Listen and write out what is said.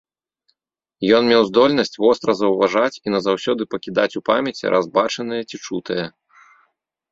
Ён меў здольнасць востра заўважаць і назаўсёды пакідаць у памяці раз бачанае ці чутае.